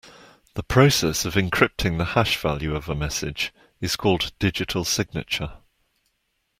The process of encrypting the hash value of a message is called digital signature.